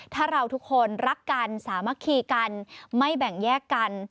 ถ้าเราทุกคนรักกันสามัคคีกันไม่แบ่งแยกกัน